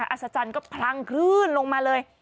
อัศจรรย์ก็พลังคลื่นลงมาเลย